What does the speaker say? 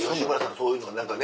そういうの何かね